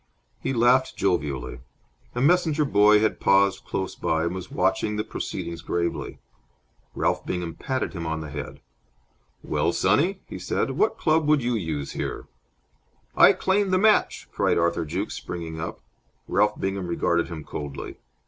He laughed jovially. A messenger boy had paused close by and was watching the proceedings gravely. Ralph Bingham patted him on the head. "Well, sonny," he said, "what club would you use here?" "I claim the match!" cried Arthur Jukes, springing up. Ralph Bingham regarded him coldly.